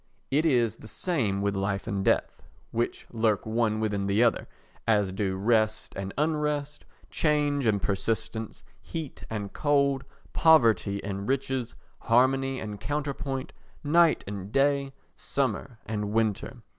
It is the same with life and death, which lurk one within the other as do rest and unrest, change and persistence, heat and cold, poverty and riches, harmony and counterpoint, night and day, summer and winter.